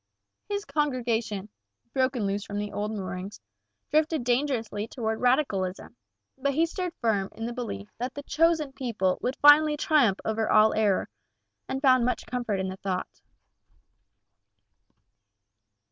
His congregation, broken loose from the old moorings, drifted dangerously away towards radicalism, but he stood firm in the belief that the "chosen people" would finally triumph over all error, and found much comfort in the thought.